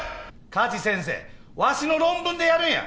加地先生わしの論文でやるんや。